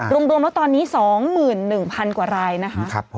รวมรวมว่าตอนนี้๒๑๐๐๐กว่าไรนะครับ